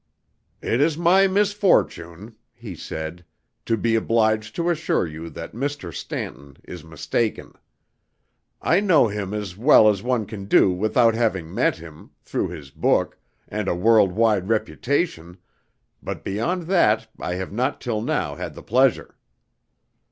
"It is my misfortune," he said, "to be obliged to assure you that Mr. Stanton is mistaken. I know him as well as one can do without having met him, through his book, and a world wide reputation, but beyond that I have not till now had the pleasure."